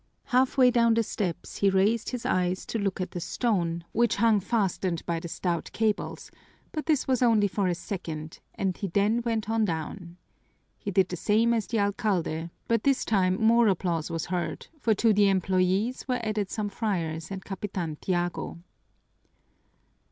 Half way down the steps he raised his eyes to look at the stone, which hung fastened by the stout cables, but this was only for a second, and he then went on down. He did the same as the alcalde, but this time more applause was heard, for to the employees were added some friars and Capitan Tiago.